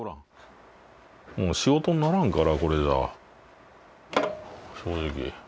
もう仕事にならんからこれじゃ正直。